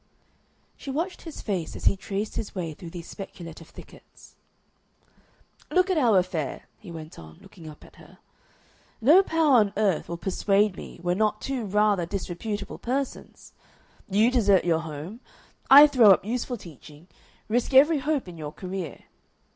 She watched his face as he traced his way through these speculative thickets. "Look at our affair," he went on, looking up at her. "No power on earth will persuade me we're not two rather disreputable persons. You desert your home; I throw up useful teaching, risk every hope in your career.